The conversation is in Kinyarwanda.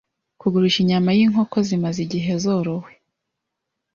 kugurisha inyama y’inkoko zimaze igihe zorowe